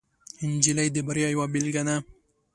نجلۍ د بریا یوه بیلګه ده.